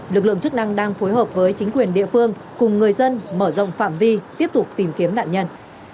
lực lượng chức năng đang phối hợp với chính quyền địa phương cùng người dân mở rộng phạm vi tiếp tục tìm kiếm nạn nhân